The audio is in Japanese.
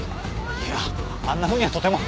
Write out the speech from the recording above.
いやあんなふうにはとても。